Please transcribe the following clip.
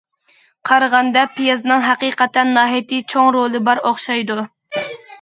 قارىغاندا پىيازنىڭ ھەقىقەتەن ناھايىتى چوڭ رولى بار ئوخشايدۇ.